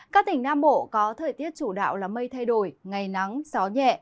các tỉnh nam bộ có thời tiết chủ đạo là mây thay đổi ngày nắng gió nhẹ